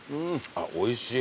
あっおいしい。